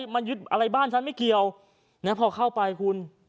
มันยึดอะไรบ้านฉันไม่เกี่ยวพอเข้าไปคุณ